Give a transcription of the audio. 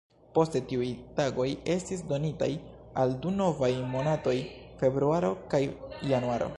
Poste tiuj tagoj estis donitaj al du novaj monatoj, februaro kaj januaro.